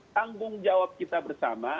tanggung jawab kita bersama